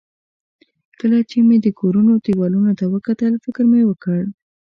کله چې مې د کورونو دېوالونو ته وکتل، فکر مې وکړ.